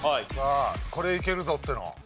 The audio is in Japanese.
これいけるぞっていうの。